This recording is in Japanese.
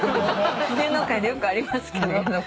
芸能界でよくありますけど。